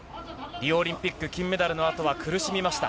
リオオリンピック金メダルのあとは苦しみました。